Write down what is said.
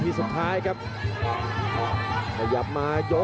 อันนี้พยายามจะเน้นข้างซ้ายนะครับ